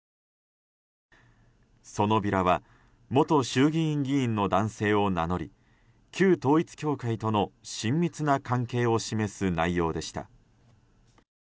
そのビラは元衆議院議員の男性を名乗り旧統一教会との親密な関係を示す内容でした。